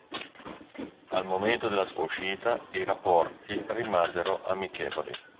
Al momento della sua uscita, i rapporti rimasero amichevoli.